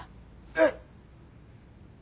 えっ。